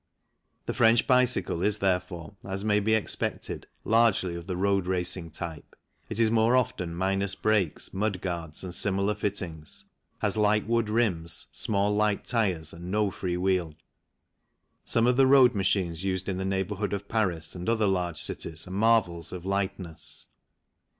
The French bicycle is therefore, as may be expected, largely of the road racing type. It is more often minus brakes, mudguards and similar fittings, has light wood rims, small light tyres, and no free wheel. Some of the road machines used in the neighbourhood of Paris and other large cities are marvels of lightness.